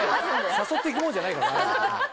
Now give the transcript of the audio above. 誘って行くもんじゃないから。